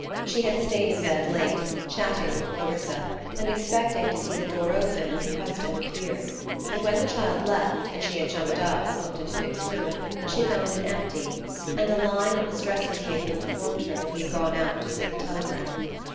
She had stayed in bed late, chatting with Clarissa, and expecting to see the door open and her husband appear; and when the child left, and she had jumped up and looked into Nick's room, she found it empty, and a line on his dressing table informed her that he had gone out to send a telegram.